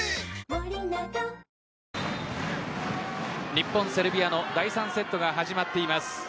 日本、セルビアの第３セットが始まっています。